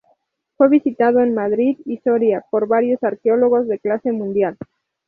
Fue visitado en Madrid y Soria por varios arqueólogos de clase mundial.